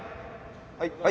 はい。